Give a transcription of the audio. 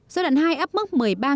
giai đoạn hai áp mức